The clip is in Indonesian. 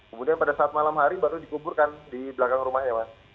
kemudian pada saat malam hari baru dikuburkan di belakang rumah ya mas